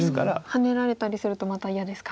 ハネられたりするとまた嫌ですか。